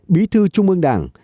bí thư trung ương đảng